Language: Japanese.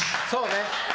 そうね。